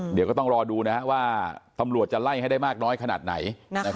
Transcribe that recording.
เดี๋ยวก็ต้องรอดูว่าตำรวจจะไล่ให้ได้มากน้อยขนาดไหน